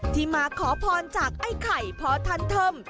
ที่มาขอพรจากไอ้ไข่พ่อท่านเทิม